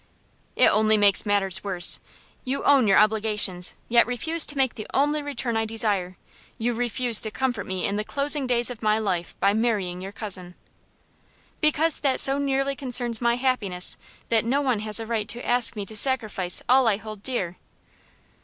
"It only makes matters worse. You own your obligations, yet refuse to make the only return I desire. You refuse to comfort me in the closing days of my life by marrying your cousin." "Because that so nearly concerns my happiness that no one has a right to ask me to sacrifice all I hold dear."